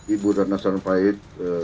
ibu rana sarumpait